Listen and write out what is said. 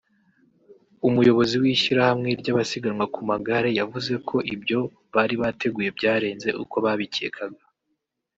umuyobozi w’Ishyirahamwe ry’abasiganwa ku magare yavuze ko ibyo bari bateguye byarenze uko babikekaga